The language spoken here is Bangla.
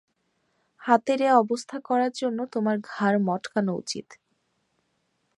হাতের এ অবস্থা করার জন্য তোমার ঘাড় মটকানো উচিত।